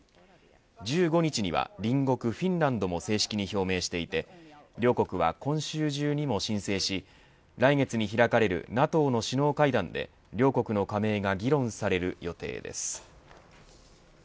１５日には隣国フィンランドも正式に表明していて両国は今週中にも申請し来月に開かれるＮＡＴＯの首脳会談で両国の加盟が議論される予定です。